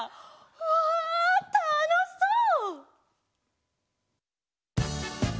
うわたのしそう！